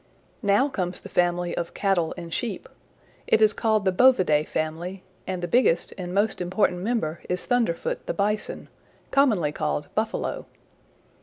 Now comes the family of Cattle and Sheep. It is called the Bovidae family, and the biggest and most important member is Thunderfoot the Bison, commonly called Buffalo.